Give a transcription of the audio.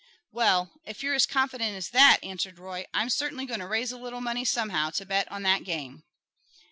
"Well, if you're as confident as that," answered Roy, "I'm certainly going to raise a little money somehow to bet on that game."